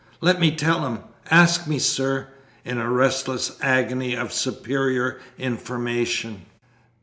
Let me tell him. Ask me, sir!" in a restless agony of superior information.